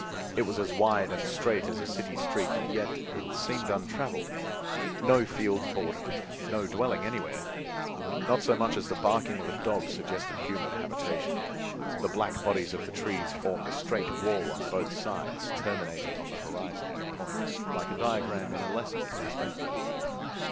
It was as wide and straight as a city street, yet it seemed untraveled. No fields bordered it, no dwelling anywhere. Not so much as the barking of a dog suggested human habitation. The black bodies of the trees formed a straight wall on both sides, terminating on the horizon in a point, like a diagram in a lesson in perspective.